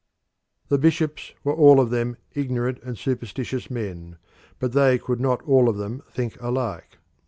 The bishops were all of them ignorant and superstitious men, but they could not all of them think alike.